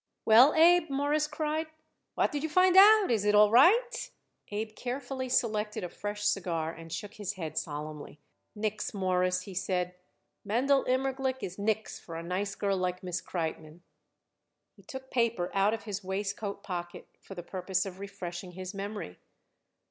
"Well, Abe," Morris cried, "what did you find out? Is it all right?" Abe carefully selected a fresh cigar and shook his head solemnly. "Nix, Mawruss," he said. "Mendel Immerglick is nix for a nice girl like Miss Kreitmann." He took paper out of his waistcoat pocket for the purpose of refreshing his memory.